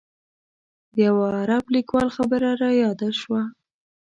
د یوه عرب لیکوال خبره رایاده شوه.